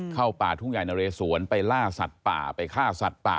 เข้าป่าทุ่งใหญ่นะเรสวนไปล่าสัตว์ป่าไปฆ่าสัตว์ป่า